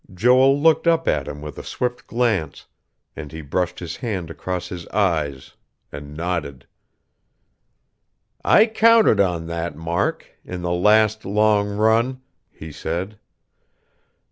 Joel looked up at him with a swift glance, and he brushed his hand across his eyes, and nodded. "I counted on that, Mark in the last, long run," he said.